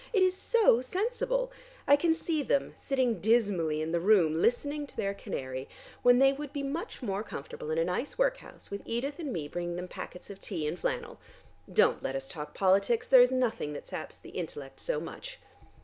It is so sensible: I can see them sitting dismally in the room listening to their canary, when they would be much more comfortable in a nice work house, with Edith and me bringing them packets of tea and flannel. Don't let us talk politics: there is nothing that saps the intellect so much."